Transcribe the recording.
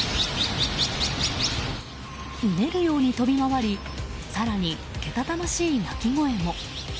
うねるように飛び回り更に、けたたましい鳴き声も。